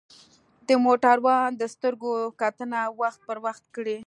د موټروان د سترګو کتنه وخت پر وخت وکړئ.